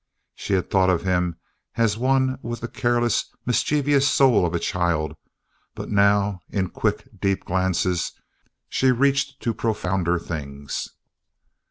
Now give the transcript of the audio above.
She had thought of him as one with the careless, mischievous soul of a child but now, in quick, deep glances, she reached to profounder things.